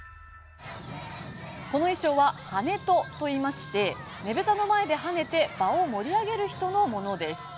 この衣装は跳人といいましてねぶたの前で跳ねて場を盛り上げる人のものです。